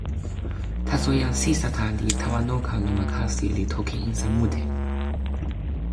taso jan Sitata li tawa noka lon ma kasi li toki insa mute.